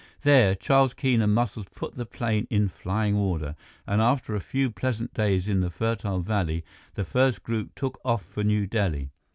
There, Charles Keene and Muscles put the plane in flying order, and after a few pleasant days in the fertile valley, the first group took off for New Delhi.